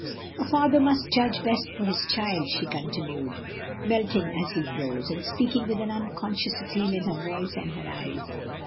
"A father must judge best for his child," she continued, melting as he froze, and speaking with an unconscious appeal in her voice and her eyes.